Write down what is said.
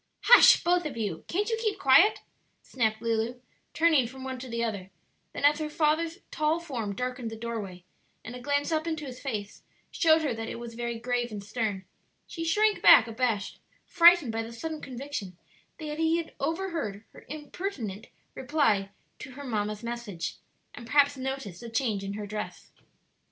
"Hush, both of you! can't you keep quiet?" snapped Lulu, turning from one to the other; then as her father's tall form darkened the doorway, and a glance up into his face showed her that it was very grave and stern, she shrank back abashed, frightened by the sudden conviction that he had overheard her impertinent reply to her mamma's message, and perhaps noticed the change in her dress.